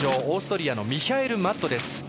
オーストリアのミヒャエル・マット。